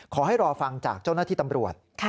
ขอให้รอฟังจากเจ้าหน้าที่ตำรวจ